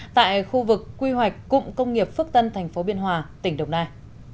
tại khu vực quy hoạch cụm công nghiệp phước tân tp biên hòa tỉnh đồng nai